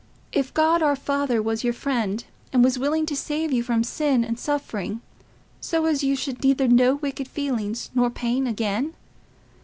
If God our Father was your friend, and was willing to save you from sin and suffering, so as you should neither know wicked feelings nor pain again?